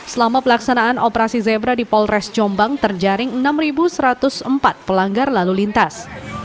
selama pelaksanaan operasi zebra di polres jombang terjaring enam satu ratus empat pelanggar lalu lintas